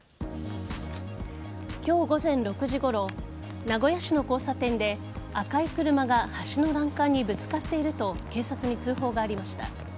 今日午前６時ごろ名古屋市の交差点で赤い車が橋の欄干にぶつかっていると警察に通報がありました。